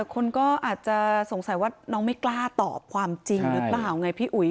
คนก็อาจจะสงสัยว่าน้องไม่กล้าตอบความจริงหรือเปล่าไงพี่อุ๋ย